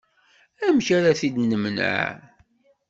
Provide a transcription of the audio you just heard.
Amek ara t-id-nemneε?